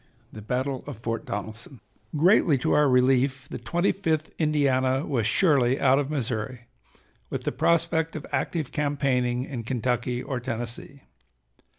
III THE BATTLE OF FORT DONELSON Greatly to our relief the Twenty fifth Indiana was surely out of Missouri, with the prospect of active campaigning in Kentucky or Tennessee.